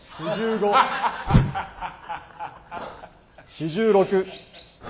４６。